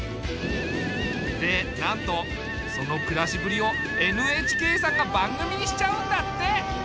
でなんとその暮らしぶりをＮＨＫさんが番組にしちゃうんだって。